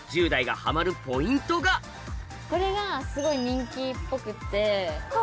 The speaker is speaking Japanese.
これがすごい人気っぽくって。